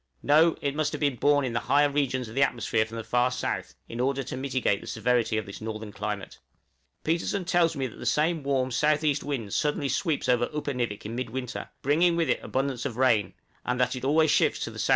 No, it must have been borne in the higher regions of the atmosphere from the far south, in order to mitigate the severity of this northern climate. {SUDDEN RISE OF TEMPERATURE.} Petersen tells me the same warm S.E. wind suddenly sweeps over Upernivik in midwinter, bringing with it abundance of rain; and that it always shifts to the S.W.